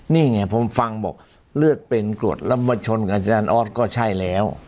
นี่ไงผมฟังบอกเลือดเป็นกรวดแล้วมาชนกับอาจารย์ออสก็ใช่แล้ว